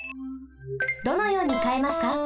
どのようにかえますか？